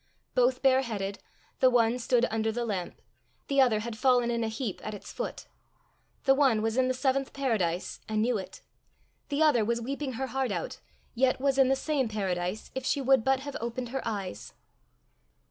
Both bareheaded, the one stood under the lamp, the other had fallen in a heap at its foot; the one was in the seventh paradise, and knew it; the other was weeping her heart out, yet was in the same paradise, if she would but have opened her eyes.